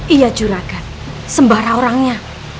iya juragan sembara orangnya